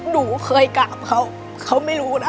หนูเคยกระบเขา